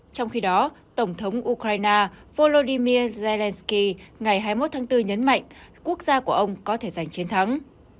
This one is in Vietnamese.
trong khi đó tổng thống ukraine volodymyr zelensky ngày hai mươi một tháng bốn nhấn mạnh quốc gia của ông có thể giành chiến thắng